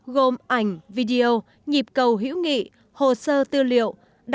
gồm ảnh video nhịp cầu hữu nghị hồ sơ tư liệu